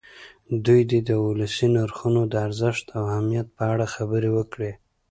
دوی دې د ولسي نرخونو د ارزښت او اهمیت په اړه خبرې وکړي.